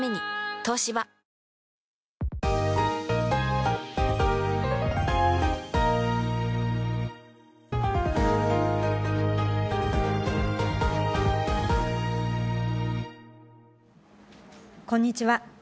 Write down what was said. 東芝こんにちは。